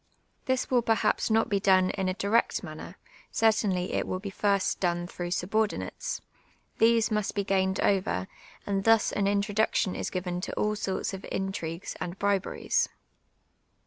This will perha])s not be done in a direct mauTu r. cer tainly it will be first done through subordinates ; these must be piined over, and thus an introduction is given to all sorts of intri«i;ucs and briberies.